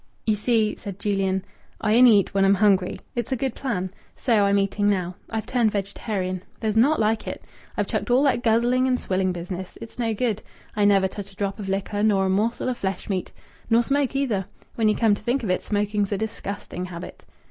"Ye see," said Julian, "I only eat when I'm hungry. It's a good plan. So I'm eating now. I've turned vegetarian. There's naught like it. I've chucked all that guzzling an swilling business. It's no good. I never touch a drop of liquor, nor a morsel of fleshmeat. Nor smoke, either. When you come to think of it, smoking's a disgusting habit."